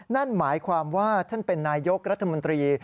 นั่นหมายความว่าท่านเป็นนายกรัฐมนตรี